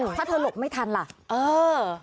คุณผู้หญิงเสื้อสีขาวเจ้าของรถที่ถูกชน